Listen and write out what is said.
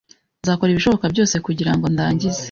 Nzakora ibishoboka byose kugirango ndangize.